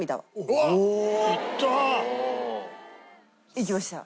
いきました。